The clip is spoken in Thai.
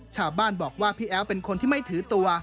ชาวบ้านบอกว่าพี่แอ๋วเป็นคนที่ไม่ถือตัว